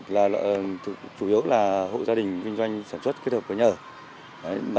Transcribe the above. là hội gia đình kinh doanh sản xuất kết hợp với nhà ở